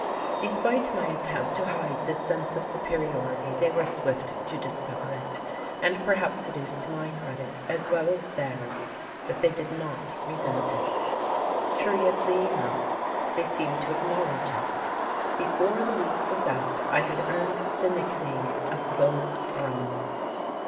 Despite my attempt to hide this sense of superiority they were swift to discover it; and perhaps it is to my credit as well as theirs that they did not resent it. Curiously enough, they seemed to acknowledge it. Before the week was out I had earned the nickname of Beau Brummel.